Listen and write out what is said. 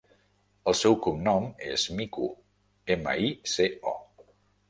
El seu cognom és Mico: ema, i, ce, o.